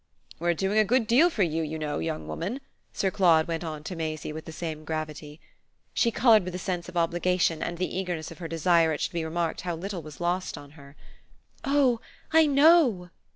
"We're doing a good deal for you, you know, young woman," Sir Claude went on to Maisie with the same gravity. She coloured with a sense of obligation and the eagerness of her desire it should be remarked how little was lost on her. "Oh I know!"